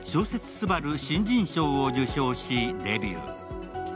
すばる新人賞を受賞しデビュー。